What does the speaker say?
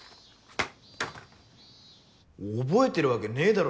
覚えてるわけねぇだろ